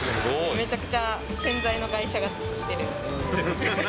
めちゃくちゃ、洗剤の会社が作ってる。